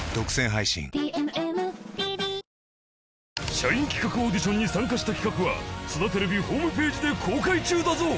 社員企画オーディションに参加した企画は「そだてれび」ホームページで公開中だぞ